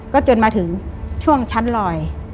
ก็จนมาถึงช่วงชั้นลอย